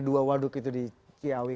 dua waduk itu di kiawi